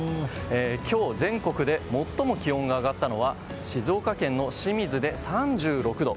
今日、全国で最も気温が上がったのは静岡県の清水で３６度。